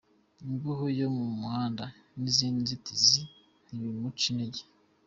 Imbeho yo muhanda, n’izindi nzitizi ntibimuca intege.